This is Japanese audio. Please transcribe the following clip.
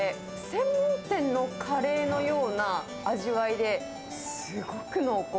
専門店のカレーのような味わいで、すごく濃厚。